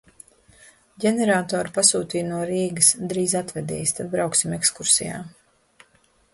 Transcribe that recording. Ģeneratoru pasūtīja no Rīgas, drīz atvedīs, tad brauksim ekskursijā.